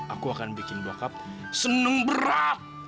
aku akan bikin bokap seneng berat